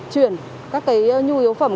chuyển các cái nhu yếu phẩm